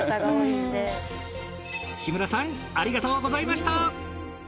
木村さんありがとうございました。